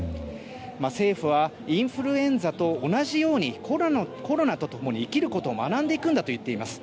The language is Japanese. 政府はインフルエンザと同じようにコロナと共に生きることを学んでいくんだと言っています。